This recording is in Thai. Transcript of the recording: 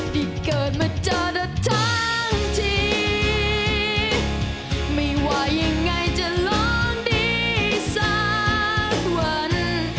ที่เกิดมาเจอรถทั้งทีไม่ว่ายังไงจะลองดีสักวัน